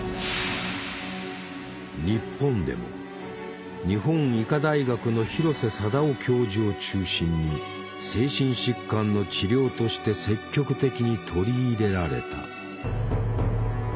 日本でも日本医科大学の広瀬貞雄教授を中心に精神疾患の治療として積極的に取り入れられた。